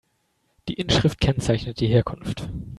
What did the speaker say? Die Inschrift kennzeichnet die Herkunft.